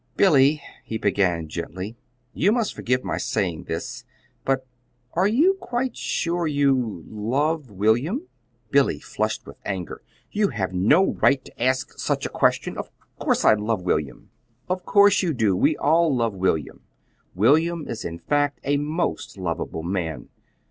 "Billy," he began gently, "you must forgive my saying this, but are you quite sure you love William?" Billy flushed with anger. "You have no right to ask such a question. Of course I love William." "Of course you do we all love William. William is, in fact, a most lovable man.